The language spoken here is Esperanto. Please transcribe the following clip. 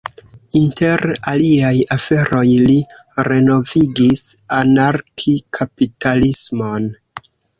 Inter aliaj aferoj, li renovigis anarki-kapitalismon.